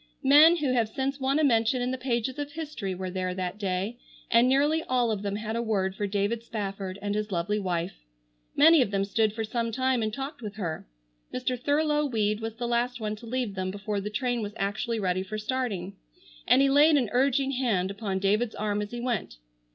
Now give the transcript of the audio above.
Men who have since won a mention in the pages of history were there that day, and nearly all of them had a word for David Spafford and his lovely wife. Many of them stood for some time and talked with her. Mr. Thurlow Weed was the last one to leave them before the train was actually ready for starting, and he laid an urging hand upon David's arm as he went.